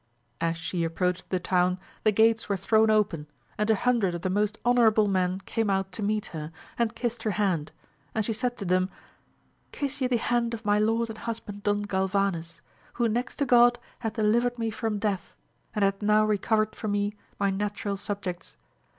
As she approached the town the gates were thrown open, and a hundred of the most honourable men came out to meet her, and kissed her hand ; and she said to them, Kiss ye the hand of my lord and husband, Don Galvanes, who next to God hath delivered me from death, and hath now recovered for me my natural subjects.